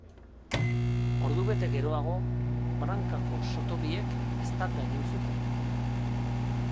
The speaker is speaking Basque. Ordubete geroago, brankako soto biek eztanda egin zuten.